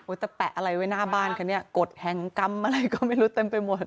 แต่แปะอะไรไว้หน้าบ้านคะเนี่ยกฎแห่งกรรมอะไรก็ไม่รู้เต็มไปหมด